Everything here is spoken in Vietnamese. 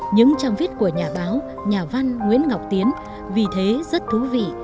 những trang viết của nhà báo nhà văn nguyễn ngọc tiến vì thế rất thú vị